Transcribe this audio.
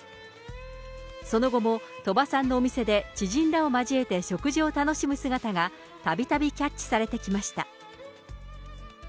その後も、鳥羽さんのお店で知人らを交えて食事を楽しむ姿がたびたびキャッチされてきました。